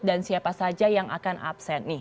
dan siapa saja yang akan absen